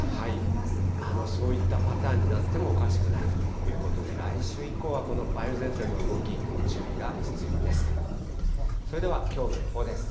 そういったパターンになってもおかしくないということで、来週以降はこの梅雨前線の動き、注意が必要です。